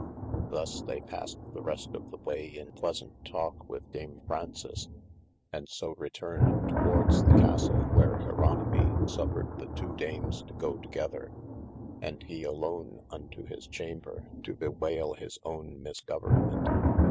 Thus they passed the rest of the way in pleasaunt talke with dame Fraunces, and so returned towards 412 OF MASTER F. J. the Castle where Jeronimy suffered the two dames to go together, and he alone unto his chamber to bewayle hys own misgovernment.